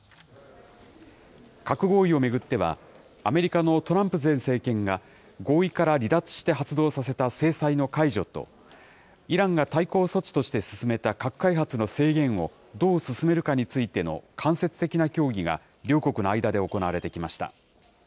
核合意を巡っては、アメリカのトランプ前政権が合意から離脱して発動させた制裁の解除と、イランが対抗措置として進めた核開発の制限をどう進めるかについての間接的な協議が両国の間で行われてきました。